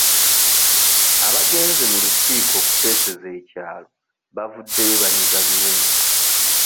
Abagenze mu lukiiko okuteeseza ekyalo bavuddeyo banyiga biwundu.